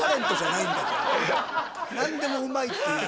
何でもうまいって言う。